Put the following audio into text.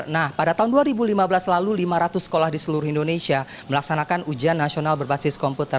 nah pada tahun dua ribu lima belas lalu lima ratus sekolah di seluruh indonesia melaksanakan ujian nasional berbasis komputer